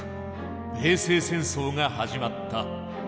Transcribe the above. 米西戦争が始まった。